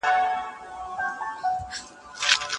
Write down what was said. ريشا زموږ د عاشقۍ خبره ورانه سوله